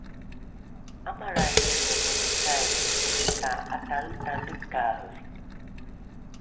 ’amalraingine mene caili ta’ataetalekae